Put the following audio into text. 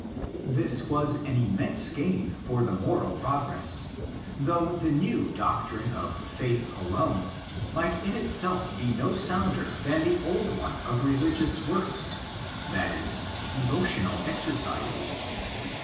This was an immense gain for moral progress, though the new doctrine of 'faith alone" might in itself be no sounder than the old one of religious '' works"'—that is, devotional exercises.